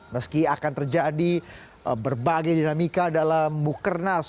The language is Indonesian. meski akan terjadi berbagai dinamika dalam mukernas